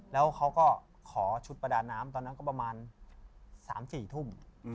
แล้วเขาก็ขอชุดประดาน้ำตอนนั้นก็ประมาณ๓๔ทุ่ม